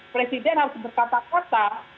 presiden harus berkata kata